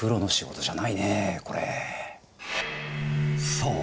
そう！